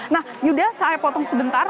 nah yuda saya potong sebentar